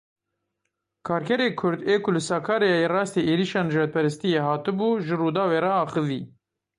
Karkerê Kurd ê ku li Sakaryayê rastî êrişa nijadperstiyê hatibû ji Rûdawê re axivî.